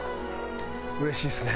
うれしいですね。